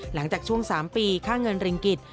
หลังจากช่วง๓ปีค่าเงินริงกิจ